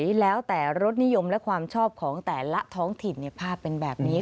แล้วแต่รสนิยมและความชอบของแต่ละท้องถิ่นภาพเป็นแบบนี้